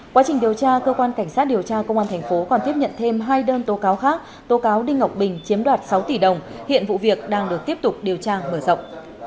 quá trình điều tra cơ quan cảnh sát điều tra công an thành phố còn tiếp nhận thêm hai đơn tố cáo khác tố cáo đinh ngọc bình chiếm đoạt sáu tỷ đồng hiện vụ việc đang được tiếp tục điều tra mở rộng